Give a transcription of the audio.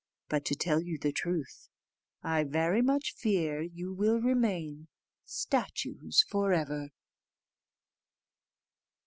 But, to tell you the truth, I very much fear you will remain statues for ever."